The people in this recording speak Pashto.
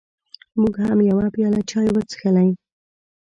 موږ هم یوه پیاله چای وڅښلې.